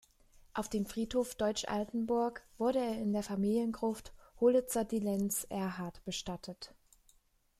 Auf dem Friedhof Deutsch-Altenburg wurde er in der Familiengruft Hollitzer-Dillenz-Erhard bestattet.